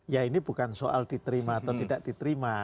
ya ini bukan soal diterima atau tidak diterima